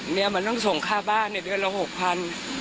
เนี่ยมันต้องส่งค่าบ้านเดือนละ๖๐๐บาท